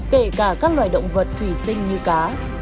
kể cả các loài động vật thủy sinh như cá